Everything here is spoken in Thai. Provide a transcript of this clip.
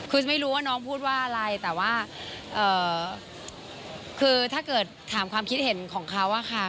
คือไม่รู้ว่าน้องพูดว่าอะไรแต่ว่าคือถ้าเกิดถามความคิดเห็นของเขาอะค่ะ